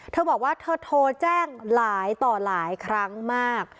เธอบอกว่าเธอโทรแจ้งหลายต่อหลายครั้งมาก